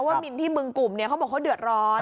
ว่ามีที่บึงกลุ่มเนี้ยเขาบอกว่าเดือดร้อน